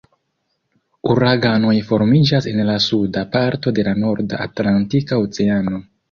Uraganoj formiĝas en la suda parto de la Norda Atlantika Oceano.